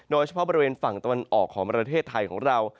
โดยเฉพาะบริเวณฝั่งตะวันออกของประเทศไทยของเรา